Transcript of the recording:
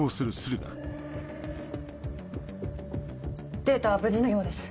データは無事のようです。